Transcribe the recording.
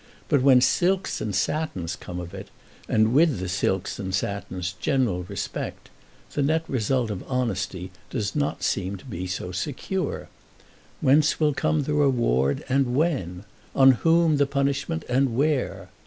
But when silks and satins come of it, and with the silks and satins general respect, the net result of honesty does not seem to be so secure. Whence will come the reward, and when? On whom the punishment, and where?